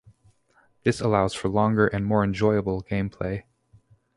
This allows for longer and more enjoyable gameplay.